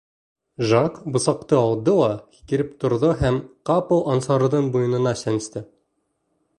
Жак бысаҡты алды ла һикереп торҙо һәм ҡапыл Ансарҙың муйынына сәнсте.